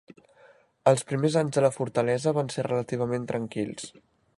Els primers anys de la fortalesa van ser relativament tranquils.